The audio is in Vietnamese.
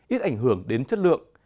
ít ảnh hưởng đến chất lượng